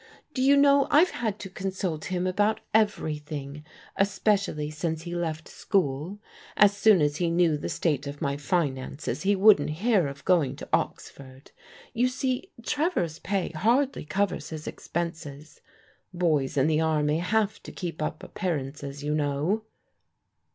Do you know I've had to consult him about every thing, especially since he left school. As soon as he knew the state of my finances, he wouldn't hear of going to Oxford. You see, Trevor's pay hardly covers his ex penses. Boys in the army have to keep up appearances, you know."